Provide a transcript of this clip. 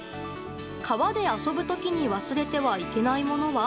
川で遊ぶときに忘れてはいけないものは？